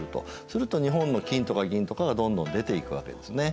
すると日本の金とか銀とかがどんどん出ていくわけですね。